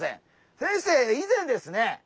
先生以前ですね